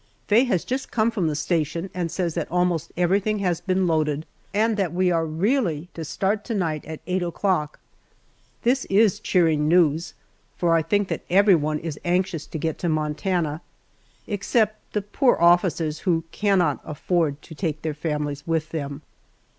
Faye has just come from the station and says that almost everything has been loaded, and that we are really to start to night at eight o'clock. This is cheering news, for I think that everyone is anxious to get to Montana, except the poor officers who cannot afford to take their families with them.